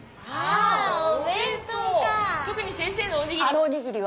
とくに先生のおにぎり。